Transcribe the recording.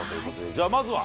じゃあまずは。